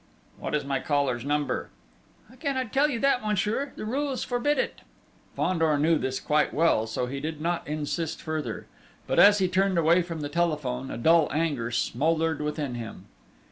"What was my caller's number?" "I cannot tell you that, monsieur the rules forbid it." Fandor knew this quite well, so he did not insist further. But, as he turned away from the telephone, a dull anger smouldered within him.